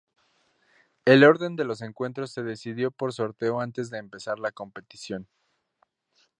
El orden de los encuentros se decidió por sorteo antes de empezar la competición.